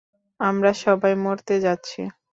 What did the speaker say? আমরা সবাই মরতে যাচ্ছি!